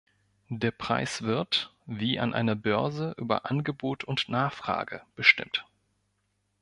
Der Preis wird, wie an einer Börse über Angebot und Nachfrage bestimmt.